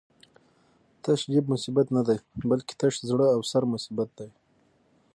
تش جېب مصیبت نه دی، بلکی تش زړه او سر مصیبت دی